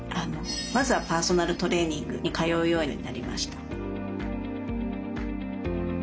まずはパーソナルトレーニングに通うようになりました。